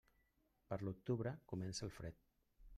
Per l'octubre comença el fred.